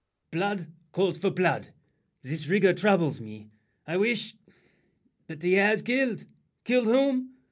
] Blood calls For blood; this rigor troubles me— I wish— But he has killed—killed whom?